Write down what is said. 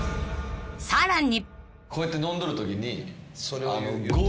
［さらに］